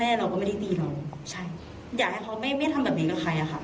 พ่อแม่เราก็ไม่ได้ตีเราอย่าให้เขาไม่ทำแบบนี้กับใคร